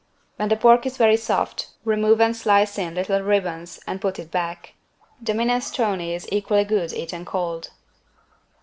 When the pork is very soft, remove and slice in little ribbons and put it back. The minestrone is equally good eaten cold.